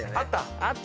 あった。